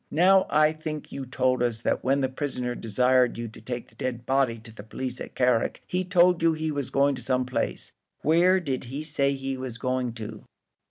Now I think you told us that when the prisoner desired you to take the dead body to the police at Carrick, he told you he was going to some place: where did he say he was going to?"